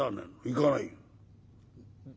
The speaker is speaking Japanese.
「行かないよ」。